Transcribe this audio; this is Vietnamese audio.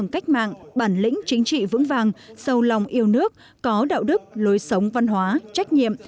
cách mạng bản lĩnh chính trị vững vàng sâu lòng yêu nước có đạo đức lối sống văn hóa trách nhiệm